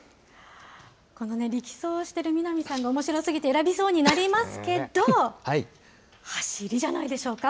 この力走してる南さんがおもしろすぎて選びそうになりますけれども、はしりじゃないでしょうか？